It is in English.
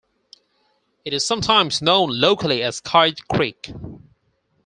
It is sometimes known locally as "Kyte Creek".